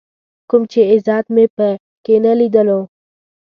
کوم چې عزت مې په کې نه ليدلو.